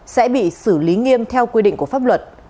sẽ bị xử lý nghiêm theo quy định của pháp luật